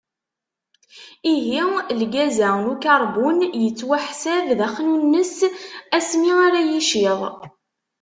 Ihi, lgaz-a n ukarbun, yettwaḥsab d axnunnes asmi ara yiciḍ.